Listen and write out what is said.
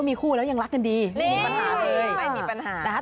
มีคู่แล้วยังรักกันดีไม่มีปัญหาเลย